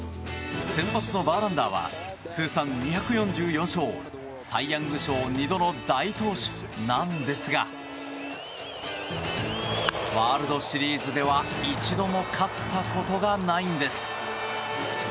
先発のバーランダーは通算２４４勝サイ・ヤング賞２度の大投手なんですがワールドシリーズでは一度も勝ったことがないんです。